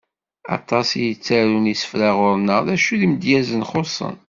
Aṭas i yettarun isefra ɣur-neɣ, d acu imedyazen xuṣṣen.